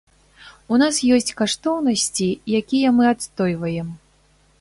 У нас ёсць каштоўнасці, якія мы адстойваем.